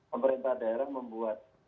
pemerintah daerah membuat